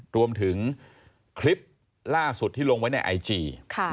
รวมถึงคลิปล่าสุดที่ลงไว้ในไอจี